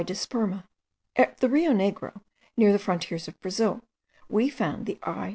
disperma. At the Rio Negro, near the frontiers of Brazil, we found the I.